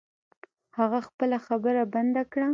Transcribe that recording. هغه خپله خبره بند کړه.